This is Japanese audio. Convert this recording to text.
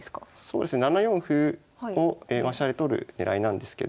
７四歩を飛車で取る狙いなんですけど。